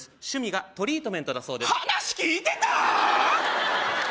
趣味がトリートメントだそうです